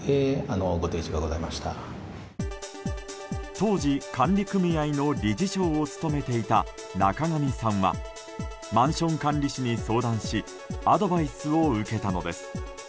当時、管理組合の理事長を務めていた中神さんはマンション管理士に相談しアドバイスを受けたのです。